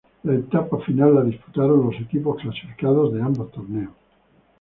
La etapa final la disputaron los equipos clasificados de ambos torneos.